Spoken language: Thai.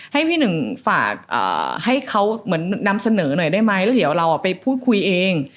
ให้พี่หนึ่งตามเสนอหน่อยได้ไหมเดี๋ยวเราไปพูดคุยเอง